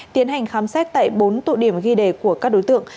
tiến hành khám xét tại bốn tụ điểm ghi đề của các đối tượng